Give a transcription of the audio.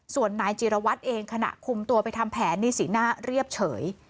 ส่วนนายจิรวัตรเองขณะคุมตัวไปทำแผนนี่สีหน้าเรียบเฉย